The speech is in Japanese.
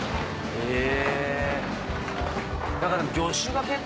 へぇ。